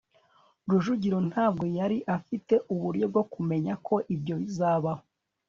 rujugiro ntabwo yari afite uburyo bwo kumenya ko ibyo bizabaho